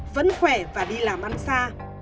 vẫn khỏe và đi làm ăn xa